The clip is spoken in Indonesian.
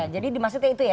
jadi dimaksudnya itu ya